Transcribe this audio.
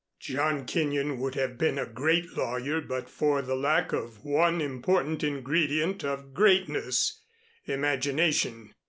John Kenyon would have been a great lawyer but for the lack of one important ingredient of greatness imagination.